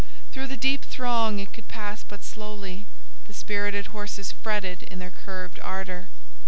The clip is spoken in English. Through the deep throng it could pass but slowly; the spirited horses fretted in their curbed ardour.